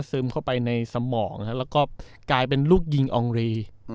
ซึมเข้าไปในสมองแล้วก็กลายเป็นลูกยิงอองรี